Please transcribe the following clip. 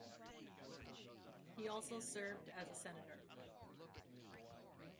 He also served as a senator.